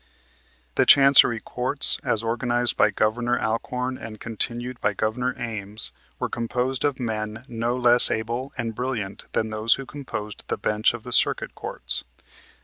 The Chancery Courts as organized by Governor Alcorn and continued by Governor Ames were composed of men no less able and brilliant than those who composed the Bench of the Circuit Courts.